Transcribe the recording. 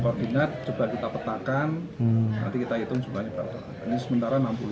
koordinat coba kita petakan nanti kita hitung sebanyak apa ini sementara enam puluh hektare